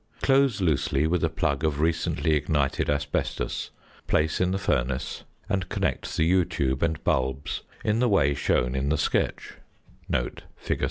Close loosely with a plug of recently ignited asbestos, place in the furnace, and connect the ~U~ tube and bulbs in the way shown in the sketch (fig.